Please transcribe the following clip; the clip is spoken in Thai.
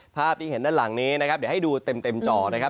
ภาพที่เห็นด้านหลังนี้นะครับเดี๋ยวให้ดูเต็มจอนะครับ